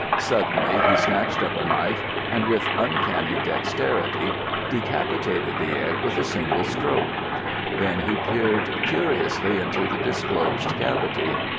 Suddenly he snatched up a knife, and with uncanny dexterity, decapitated the egg with a single stroke. Then he peered curiously into the disclosed cavity.